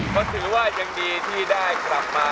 ก็ถือว่ายังดีที่ได้กลับมา